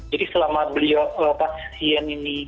jadi selama pasien ini